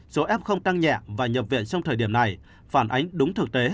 số f tăng nhẹ và nhập viện trong thời điểm này phản ánh đúng thực tế